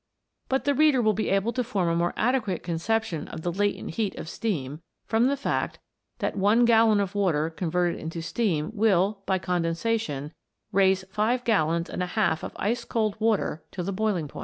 But the reader will be able to form a more adequate conception of the latent heat of steam, from the fact that one gallon of water converted into steam will, by condensation, raise five gallons and a half of ice cold water to the boiling point